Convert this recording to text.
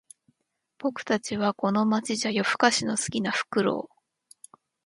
僕たちはこの街じゃ夜ふかしの好きなフクロウ